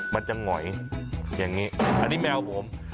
มันจะหงอยอย่างนี้อันนี้แมวผม